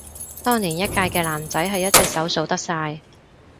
當年一屆嘅男仔係一隻手數得晒